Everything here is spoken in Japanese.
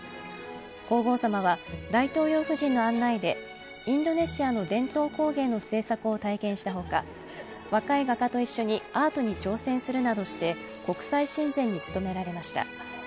皇后さまは大統領夫人の案内でインドネシアの伝統工芸の制作を体験したほか若い画家と一緒にアートに挑戦するなどして国際親善に努められました。